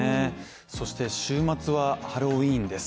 そして週末はハロウィーンです。